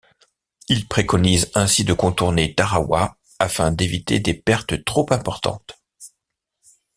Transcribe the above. Il préconise ainsi de contourner Tarawa afin d'éviter des pertes trop importantes.